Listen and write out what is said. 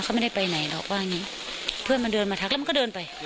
เขาไม่ได้ไปไหนหรอกว่าอย่างงี้เพื่อนมันเดินมาทักแล้วมันก็เดินไป